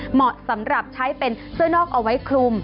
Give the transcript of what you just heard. เหมาะสำหรับใช้เป็นเสื้อนอกเอาไว้คลุม